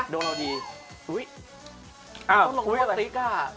ก้มเอาเจ๊อัตริกอะ